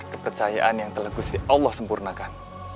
kepercayaan yang telah gusti allah sempurnakan